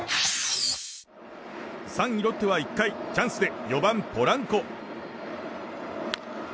３位ロッテは１回チャンスで４番、ポランコ。